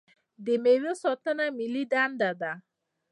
د میوو ساتنه ملي دنده ده.